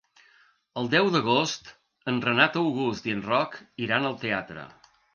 El deu d'agost en Renat August i en Roc iran al teatre.